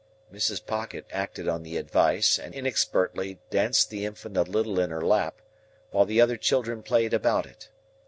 Mrs. Pocket acted on the advice, and inexpertly danced the infant a little in her lap, while the other children played about it.